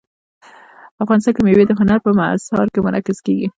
افغانستان کې مېوې د هنر په اثار کې منعکس کېږي.